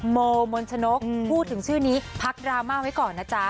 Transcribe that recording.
โมมนชนกพูดถึงชื่อนี้พักดราม่าไว้ก่อนนะจ๊ะ